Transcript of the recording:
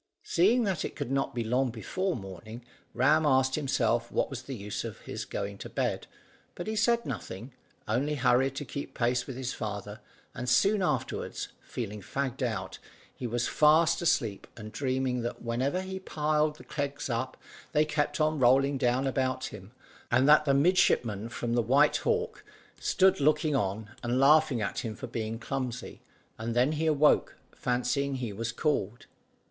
Seeing that it could not be long before morning, Ram asked himself what was the use of his going to bed; but he said nothing, only hurried to keep pace with his father; and soon after, feeling fagged out, he was fast asleep, and dreaming that whenever he piled the kegs up they kept on rolling down about him, and that the midshipman from the White Hawk stood looking on, and laughing at him for being clumsy, and then he awoke fancying he was called.